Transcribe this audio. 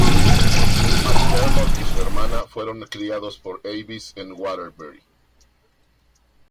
McDermott y su hermana fueron criados por Avis en Waterbury.